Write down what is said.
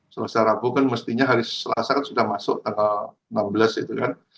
selesai rabu kan mestinya hari selasa kan sudah masuk tanggal enam belas itu kan